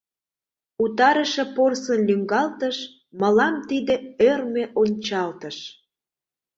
Утарыше порсын лӱҥгалтыш мылам тиде ӧрмӧ ончалтыш.